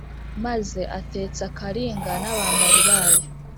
Maze atetsa Kalinga n’abambari bayo